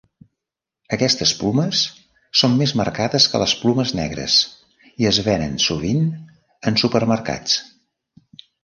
Aquestes plomes són més marcades que les plomes negres i es venen sovint en supermercats.